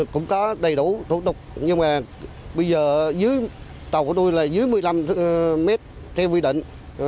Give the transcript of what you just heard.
cũng có đầy đủ thủ tục nhưng mà bây giờ dưới tàu của tôi là dưới một mươi năm mét theo quy định